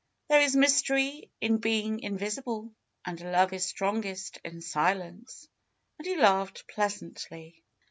There is mystery in being invis ible. And love is strongest in silence," and he laughed pleasantly.